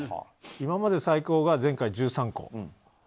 今まで最高が前回の１３個。